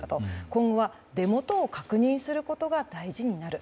今後は出元を確認することが大事になる。